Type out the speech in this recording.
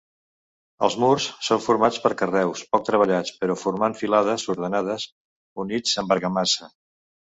Els murs són formats per carreus poc treballats però formant filades ordenades units amb argamassa.